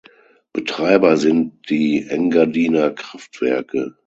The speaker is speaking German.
Betreiber sind die Engadiner Kraftwerke.